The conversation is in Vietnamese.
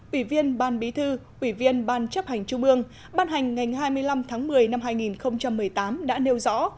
ủy viên ban bí thư ủy viên ban chấp hành trung ương ban hành ngày hai mươi năm tháng một mươi năm hai nghìn một mươi tám đã nêu rõ